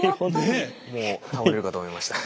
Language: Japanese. もう倒れるかと思いました。